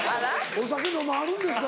お酒飲まはるんですか？